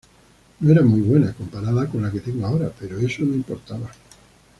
No era muy buena, comparada con la que tengo ahora, pero eso no importaba.